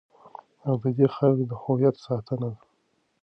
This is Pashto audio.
او د دې خاورې د هویت ستنه ده.